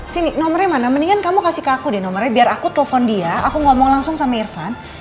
sini nomornya mana mendingan kamu kasih ke aku deh nomornya biar aku telpon dia aku ngomong langsung sama irfan